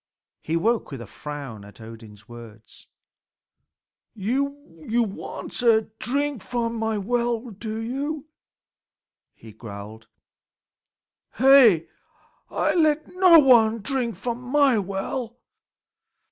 He woke with a frown at Odin's words. "You want a drink from my well, do you?" he growled. "Hey! I let no one drink from my well."